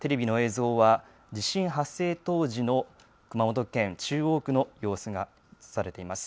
テレビの映像は地震発生当時の熊本県中央区の様子が映されています。